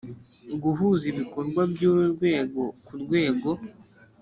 guhuza ibikorwa by uru rwego ku rwego